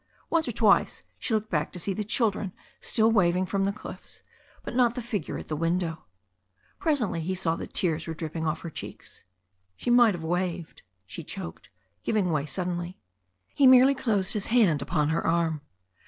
Once or twice she looked back to see the children still waving from the cliffs, but not the figure at the window. Presently he saw that tears were dripping off her cheeks. "She might have waved," she choked, giving way sud denly. He merely closed his hand upon her arm.